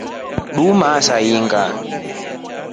Tulimaa saa ilinga.